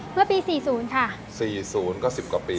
เมื่อปีสี่ศูนย์ค่ะสี่ศูนย์ก็สิบกว่าปี